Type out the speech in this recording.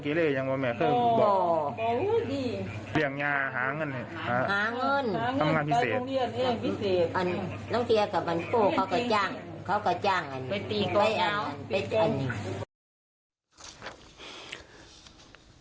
เป็นตั้งสี่อาทีมิตรกระวังเจ้ากินเกาะเจ้าอันใบพี่อันยุค